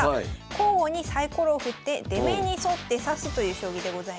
交互にサイコロを振って出目に沿って指すという将棋でございます。